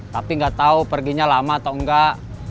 tapi gak tau perginya lama atau enggak